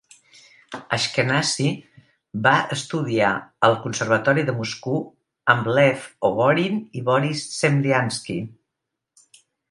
Ashkenazy va estudiar al conservatori de Moscou amb Lev Oborin i Boris Zemliansky.